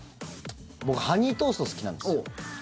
僕、ハニートースト好きなんですよ。